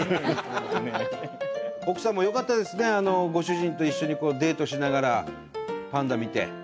奥さんもよかったですねご主人と一緒にデートしながらパンダ見て。